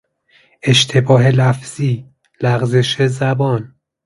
اشتباه لفظی، لغزش زبان